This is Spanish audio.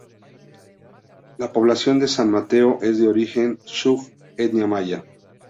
La población de San Mateo es de origen Chuj, etnia maya.